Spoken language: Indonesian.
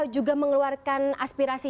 juga mengeluarkan aspirasi